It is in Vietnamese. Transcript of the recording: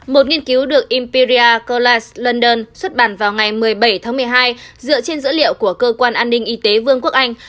một nghiên cứu được impiria kulas london xuất bản vào ngày một mươi bảy tháng một mươi hai dựa trên dữ liệu của cơ quan an ninh y tế vương quốc anh